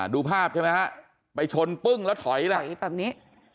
ดูภาพใช่ไหมไปชนปึ้งแล้วถอยแบบนี้